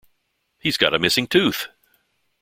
He's got a missing tooth!